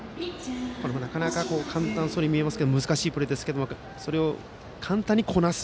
簡単そうに見えますけど難しいプレーですけれどそれを簡単にこなす。